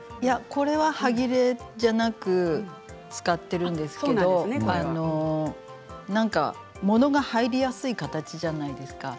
これは、はぎれではなく使っているんですけど物が入りやすい形じゃないですか。